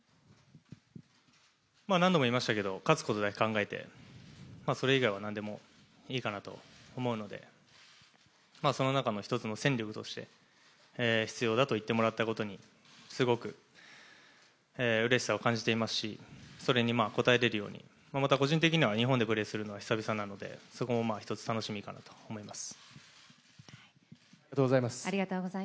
何度も言いましたけど、勝つことだけ考えて、それ以外はなんでもいいかなと思うのでその中の１つの戦力として必要だと言ってもらったことにすごくうれしさを感じていますし、それに応えられるように、また個人的には日本でプレーするのは久々なのでそこもまあ楽しみかなと思います。